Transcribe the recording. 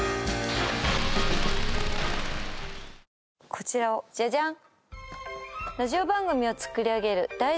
こちらをジャジャン